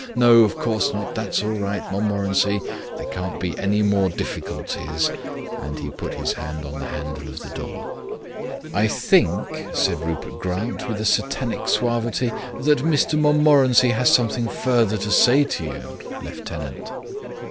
"No, of course not. That's all right, Montmorency. There can't be any more difficulties," and he put his hand on the handle of the door. "I think," said Rupert Grant, with a satanic suavity, "that Mr Montmorency has something further to say to you, lieutenant."